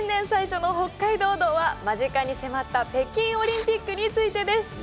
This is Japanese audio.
最初の「北海道道」は間近に迫った北京オリンピックについてです。